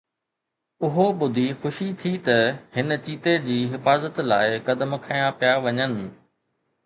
اهو ٻڌي خوشي ٿي ته هن چيتي جي حفاظت لاءِ قدم کنيا پيا وڃن